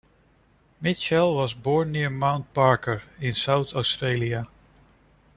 Mitchell was born near Mount Barker in South Australia.